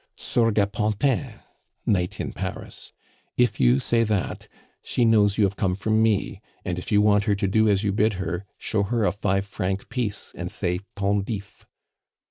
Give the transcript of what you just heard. "Sorgue a Pantin (night in Paris). If you say that she knows you have come from me, and if you want her to do as you bid her, show her a five franc piece and say Tondif."